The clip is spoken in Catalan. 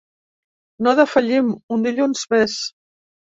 No defallim, un dilluns més.